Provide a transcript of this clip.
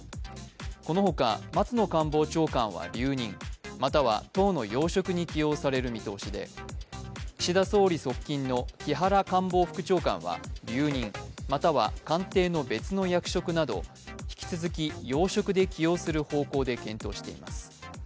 このほか、松野官房長官は留任、または党の要職に起用される見通しで、岸田総理側近の木原官房副長官は留任または、官邸の別の役職など、引き続き要職で起用する方向で検討しています